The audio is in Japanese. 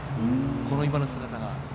この今の姿が。